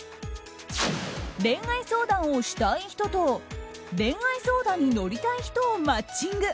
恋愛相談をしたい人と恋愛相談に乗りたい人をマッチング。